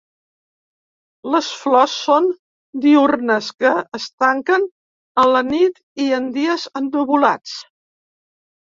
Les flors són diürnes, que es tanquen a la nit i en dies ennuvolats.